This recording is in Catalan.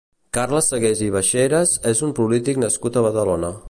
Carles Sagués i Baixeras és un polític nascut a Badalona.